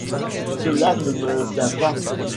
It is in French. Cela ne me vient pas.